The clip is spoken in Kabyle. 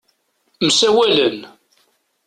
Msawalen.